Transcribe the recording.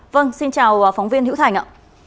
vâng xin chào phóng viên hữu thành ạ